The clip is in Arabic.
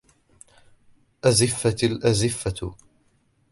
أَزِفَتِ الْآزِفَةُ